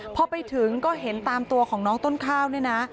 พอไปถึงก็เห็นตามตัวของน้องต้นข้าวเนี่ยนะ